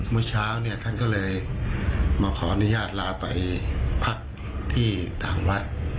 เมื่อเช้าเนี่ยท่านก็เลยมาขออนุญาตลาไปพักที่ต่างวัด